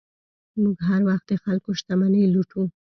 موږ هر وخت د خلکو شتمنۍ لوټو.